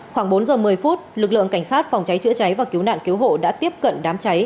khoảng bốn giờ một mươi phút lực lượng cảnh sát phòng cháy chữa cháy và cứu nạn cứu hộ đã tiếp cận đám cháy